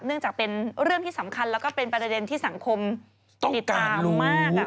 จากเป็นเรื่องที่สำคัญแล้วก็เป็นประเด็นที่สังคมติดตามมาก